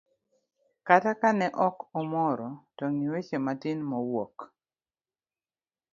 kata ka ne ok omoro; to gi weche matin mowuok.